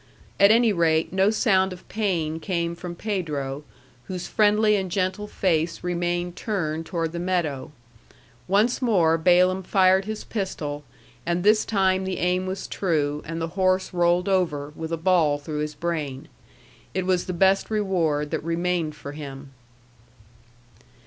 At any rate, no sound of pain came from Pedro, whose friendly and gentle face remained turned toward the meadow. Once more Balaam fired his pistol, and this time the aim was true, and the horse rolled over, with a ball through his brain. It was the best reward that remained for him.